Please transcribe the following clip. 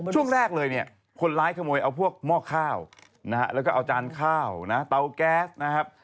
ช่วงแรกเลยเนี่ยคนร้ายขโมยเอาพวกหม้อข้าวนะฮะแล้วก็เอาจานข้าวนะเตาแก๊สนะครับ